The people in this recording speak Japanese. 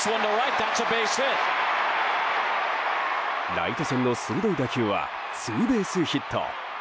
ライト線の鋭い打球はツーベースヒット。